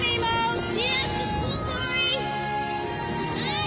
はい。